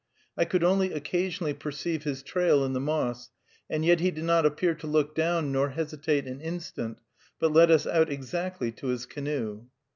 I could only occasionally perceive his trail in the moss, and yet he did not appear to look down nor hesitate an instant, but led us out exactly to his canoe.